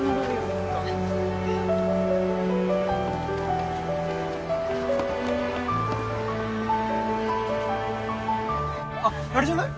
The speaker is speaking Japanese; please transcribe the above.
行こうあっあれじゃない？